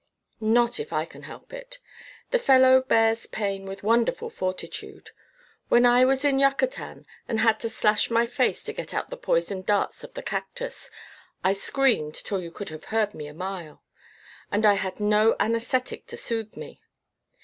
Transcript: "Not if I can help it. The fellow bears pain with wonderful fortitude. When I was in Yucatan, and had to slash my face to get out the poisoned darts of the cactus, I screamed till you could have heard me a mile. And I had no anaesthetic to soothe me.